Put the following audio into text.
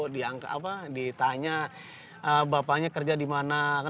dihangka apa ditanya bapaknya kerja dimana